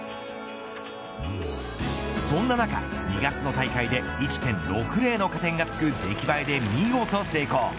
そんな中２月の大会で１．６０の加点がつく出来栄えで見事成功。